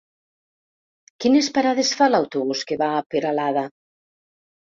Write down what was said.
Quines parades fa l'autobús que va a Peralada?